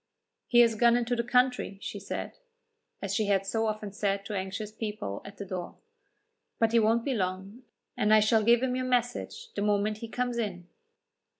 "He has gone into the country," she said, as she had so often said to anxious people at the door; "but he won't be long, and I shall give him your message the moment he comes in."